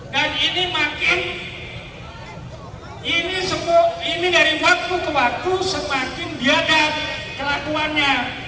dan ini makin ini dari waktu ke waktu semakin dia ada kelakuannya